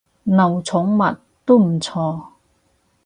奴寵物，都唔錯